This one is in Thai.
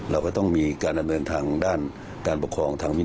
เราก็ต้องมีการดำเนินทางด้านการปกครองทางวิน